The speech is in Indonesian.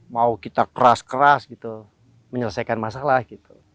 mau kita keras keras gitu menyelesaikan masalah gitu